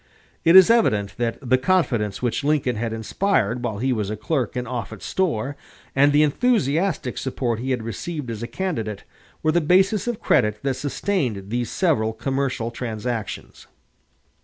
It is evident that the confidence which Lincoln had inspired while he was a clerk in Offutt's store, and the enthusiastic support he had received as a candidate, were the basis of credit that sustained these several commercial transactions.